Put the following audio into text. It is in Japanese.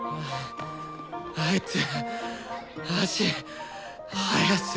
あいつ足速すぎだろ。